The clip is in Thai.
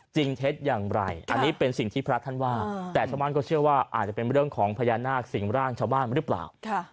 เท็จอย่างไรอันนี้เป็นสิ่งที่พระท่านว่าแต่ชาวบ้านก็เชื่อว่าอาจจะเป็นเรื่องของพญานาคสิ่งร่างชาวบ้านหรือเปล่า